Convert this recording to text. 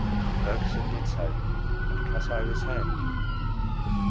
Ferguson did so, and cut Ira's hand.